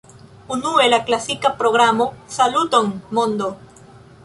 Unue, la klasika programo "Saluton, mondo!